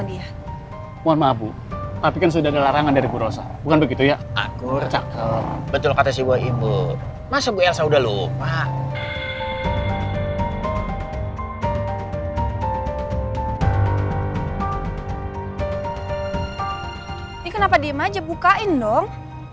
ini kenapa diem aja bukain dong